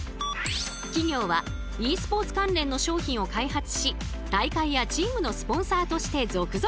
企業はｅスポーツ関連の商品を開発し大会やチームのスポンサーとして続々参入。